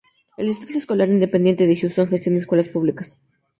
El Distrito Escolar Independiente de Houston gestiona escuelas públicas.